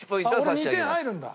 俺２点入るんだ。